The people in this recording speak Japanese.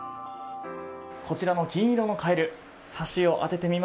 こちらの金色のカエル体長